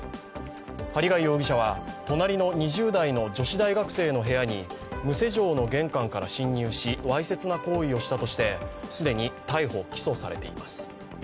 針谷容疑者は隣の２０代の女子大学生の部屋に無施錠の玄関か侵入し、わいせつな行為をしたとして既に逮捕・起訴されています。